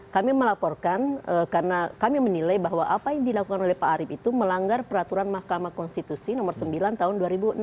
kami melaporkan karena kami menilai bahwa apa yang dilakukan oleh pak arief itu melanggar peraturan mahkamah konstitusi nomor sembilan tahun dua ribu enam belas